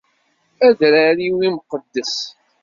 Adrar-iw imqeddes!